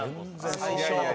最初。